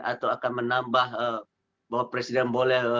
atau akan menambah bahwa presiden boleh